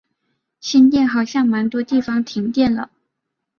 新店好像蛮多地方停电了